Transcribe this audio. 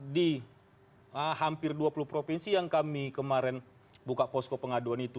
di hampir dua puluh provinsi yang kami kemarin buka posko pengaduan itu